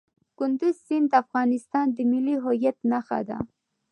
کندز سیند د افغانستان د ملي هویت نښه ده.